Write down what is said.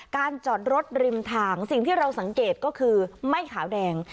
จอดรถริมทางสิ่งที่เราสังเกตก็คือไม่ขาวแดง